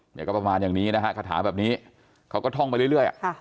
เนี่ยก็ประมาณอย่างนี้นะฮะคาถาแบบนี้เขาก็ท่องไปเรื่อย